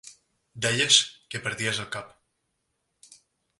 Deies que perdies el cap.